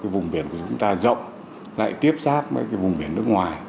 vùng biển của chúng ta rộng lại tiếp xác với vùng biển nước ngoài